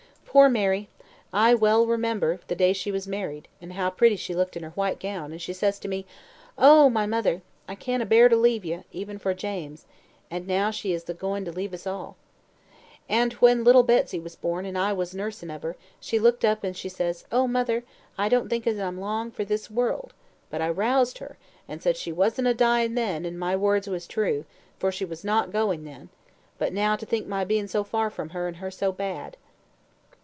Poor Mary! I well remember the day she was married, and how pretty she looked in her white gown, and how she says to me, 'Oh, my mother! I can't abear to leave you, even for James,' and now she is agoing to leave all of us. And when little Betsy was born, and I was a nursing of her, she looked up and says she, 'Oh, mother! I don't think as I'm long for this world;' but I roused her, and said she wasn't a dying then, and my words was true, for she was not going then; but now to think my being so far from her and her so bad."